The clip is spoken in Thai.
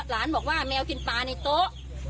หลานบอกว่าแมวกินปลาในโต๊ะ